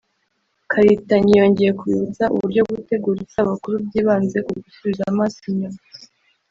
Karitanyi yongeye kubibutsa uburyo gutegura isabukuru byibanze ku gusubiza amaso inyuma